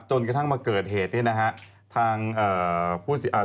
จนกระทั่งมาเกิดเหตุนี้นะครับ